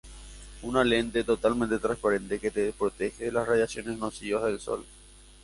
Una lente totalmente transparente que te protege de las radiaciones nocivas del sol.